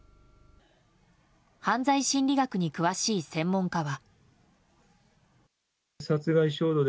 犯罪心理学に詳しい専門家は。